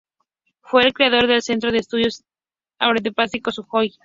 Fue el creador del centro de estudios aeronáuticos Sujói.